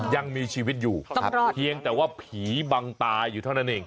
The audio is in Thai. ยังมีชีวิตอยู่เพียงแต่ว่าผีบังตาอยู่เท่านั้นเอง